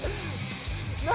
何？